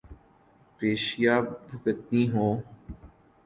پیشیاں بھگتنی ہوں۔